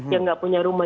yang nggak punya rumah